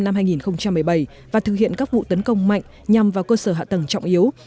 để thực hiện các vụ tấn công mạnh nhằm vào cơ sở hạ tầng trọng yếu